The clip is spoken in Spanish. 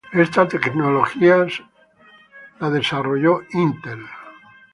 Esta tecnología fue desarrollada por Intel.